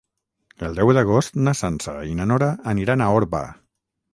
El deu d'agost na Sança i na Nora aniran a Orba.